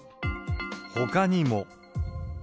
ほかにも。